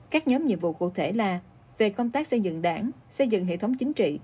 các nhóm nhiệm vụ cụ thể là về công tác xây dựng đảng xây dựng hệ thống chính trị